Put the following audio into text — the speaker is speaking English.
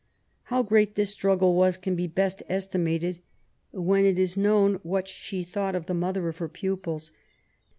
How great this struggle was can be best estimated when it is known what she thought of the mother of her pupils.